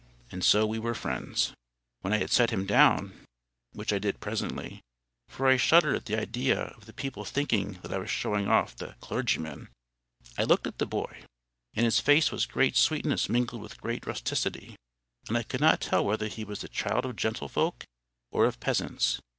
And so we were friends. When I had set him down, which I did presently, for I shuddered at the idea of the people thinking that I was showing off the CLERGYMAN, I looked at the boy. In his face was great sweetness mingled with great rusticity, and I could not tell whether he was the child of gentlefolk or of peasants.